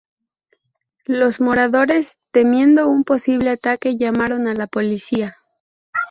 Los moradores temiendo un posible ataque llamaron a la policía.